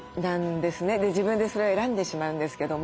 で自分でそれを選んでしまうんですけども。